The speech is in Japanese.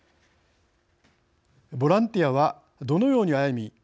ボランティアはどのように歩み